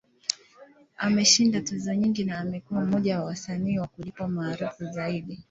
Ameshinda tuzo nyingi, na amekuwa mmoja wa wasanii wa kulipwa maarufu zaidi.